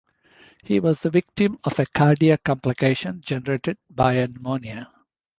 He was the victim of a cardiac complication generated by a pneumonia.